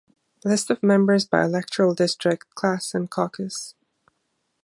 List of members by electoral district, class and caucus.